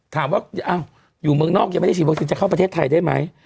ถามว่าอยู่เมืองนอกยังไม่ได้ฉีดวัคซีนจะเข้าประเทศไทยได้ไหม